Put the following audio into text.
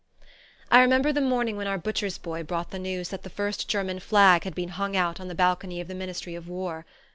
I remember the morning when our butcher's boy brought the news that the first German flag had been hung out on the balcony of the Ministry of War.